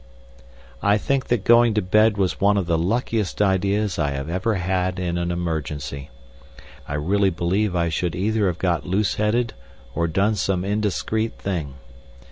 I think that going to bed was one of the luckiest ideas I have ever had in an emergency. I really believe I should either have got loose headed or done some indiscreet thing.